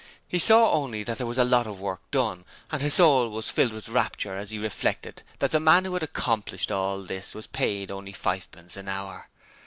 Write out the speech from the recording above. He saw only that there was a Lot of Work done and his soul was filled with rapture as he reflected that the man who had accomplished all this was paid only fivepence an hour.